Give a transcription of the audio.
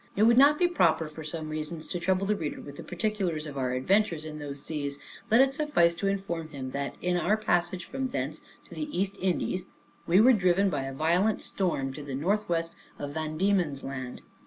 It would not be proper, for some reasons, to trouble the reader with the particulars of our adventures in those seas; let it suffice to inform him, that, in our passage from thence to the East Indies, we were driven by a violent storm to the northwest of Van Diemen's Land.